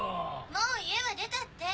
もう家は出たって。